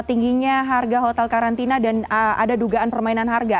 tingginya harga hotel karantina dan ada dugaan permainan harga